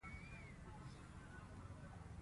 فوارې چالانې وې.